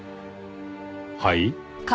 はい？